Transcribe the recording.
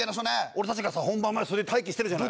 俺たちがさ本番前袖で待機してるじゃない？